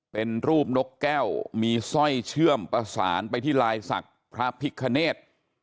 เป็นรูปนกแก้วมีสร้อยเชื่อมประสานไปที่ลายศักดิ์พระพิคเนธ